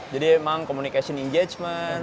jadi memang komunikasi injajemen